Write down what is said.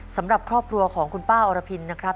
สำหรับครอบครัวของคุณป้าอรพินนะครับ